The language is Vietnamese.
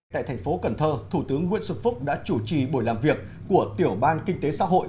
tại thành phố cần thơ thủ tướng nguyễn xuân phúc đã chủ trì buổi làm việc của tiểu ban kinh tế xã hội